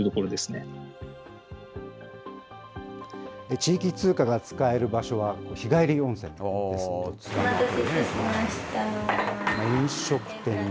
地域通貨が使える場所は日帰り温泉ですとか。